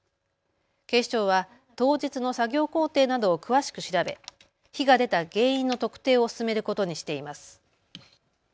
警視庁は当日の作業工程などを詳しく調べ火が出た原因の特定を進めることにしています。